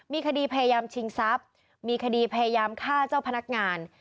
มีคดีพยายามชิงทรัพย์มีคดีพยายามฆ่าเจ้าพนักงาน